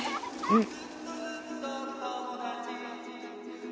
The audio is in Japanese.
うん！